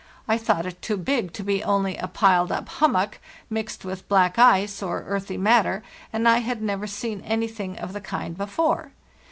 I thought it too big to be only a piled up hummock mixed with black ice or earthy mat ter, and I had never seen anything of the kind before.